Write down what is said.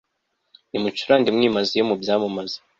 nimucurange mwimazeyo, mubyamamaze